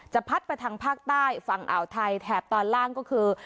พัดไปทางภาคใต้ฝั่งอ่าวไทยแถบตอนล่างก็คือ